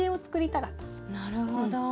なるほど。